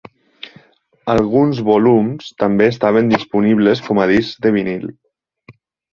Alguns volums també estaven disponibles com a discs de vinil.